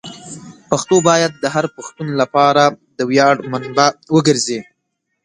پښتو باید د هر پښتون لپاره د ویاړ منبع وګرځي.